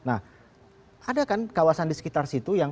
nah ada kan kawasan di sekitar situ